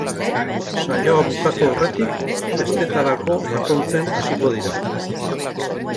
Saioa bukatu aurretik festetarako atontzen hasiko dira.